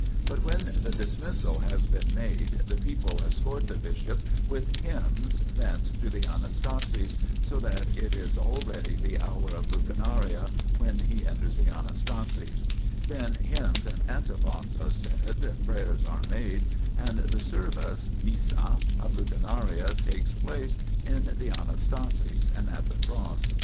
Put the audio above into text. But when the dismissal has been made, the people escort the bishop with hymns thence to the Anastasis, so that it is already the hour of lucernare when he enters the Anastasis ; then hymns and antiphons are said, prayers are made, and the service (inissd) of lucernare takes place in the Anastasis and at the Cross.